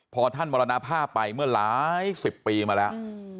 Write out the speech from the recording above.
พอท่านมรณภาพไปเมื่อหลายสิบปีมาแล้ว